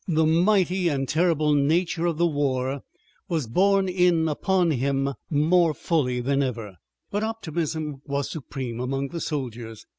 The mighty and terrible nature of the war was borne in upon him more fully than ever. But optimism was supreme among the soldiers.